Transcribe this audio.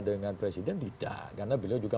dengan presiden tidak karena beliau juga